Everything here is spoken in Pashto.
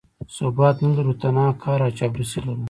ثبات نه لرو، تنها قهر او چاپلوسي لرو.